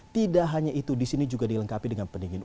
tidak hanya itu di sini juga dilengkapi dengan peralatan